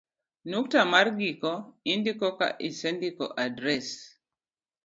nukta mar giko indiko ka isendiko adres